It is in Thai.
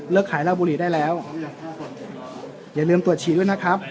ขายเหล้าบุหรี่ได้แล้วอย่าลืมตรวจฉี่ด้วยนะครับ